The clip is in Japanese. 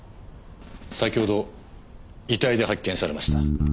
先ほど遺体で発見されました。